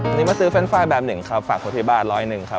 ผมมาซื้อแฟนไฟแบบหนึ่งครับฝากครอบที่บ้านร้อยหนึ่งครับ